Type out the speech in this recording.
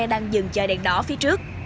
đang dừng chờ đèn đỏ phía trước